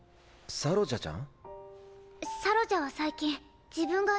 サロジャちゃん。